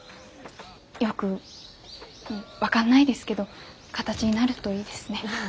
よく分かんないですけど形になるといいですね。